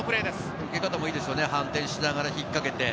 受け方もいいですね、反転しながら引っかけて。